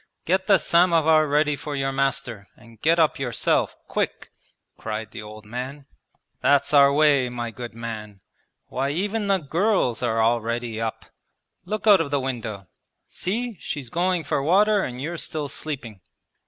get the samovar ready for your master, and get up yourself quick,' cried the old man. 'That's our way, my good man! Why even the girls are already up! Look out of the window. See, she's going for water and you're still sleeping!'